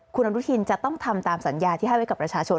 คุณอนุทินจะต้องทำตามสัญญาที่ให้ไว้กับประชาชน